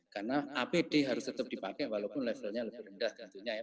karena apd harus tetap dipakai walaupun levelnya lebih rendah tentunya ya